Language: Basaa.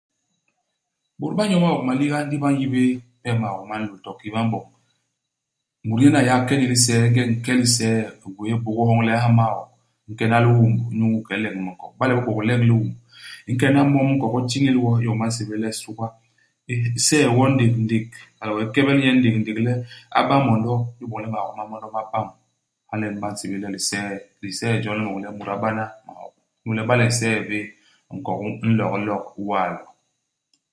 Bôt na nyo maok maliga ndi ba n'yi hé ihet maok ma nlôl, to kiki ba m'boñ. Mut nyen a yé a ke ni i lisee. Ingeñ u nke ilisee. U gwéé hibôgôô hyoñ le u nha maok. U nkena liumb inyu ike ileñ minkok. Iba le u bibôk u leñ liumb, u nke hana i mom u nkok, u tiñil wo, iyom ba nsébél le suga. U see wo ndéndék. Hala wee u kebel nye ndékndék le a ba mondo, inyu iboñ le maok ma mondo ma pam. Hala nyen ba nsébél le lisee. Lisee jon li m'boñ le mut a bana maok. Inyu le iba le u nsee bé, nkok u nlok u lok, u waa lo.